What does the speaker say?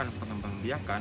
ini adalah pengembang biakan